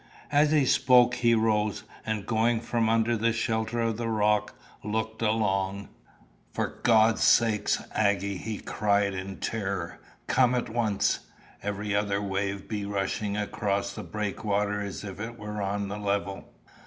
As he spoke he rose, and going from under the shelter of the rock, looked along. "For God's sake, Aggy!" he cried in terror, "come at once. Every other wave be rushing across the breakwater as if it was on the level."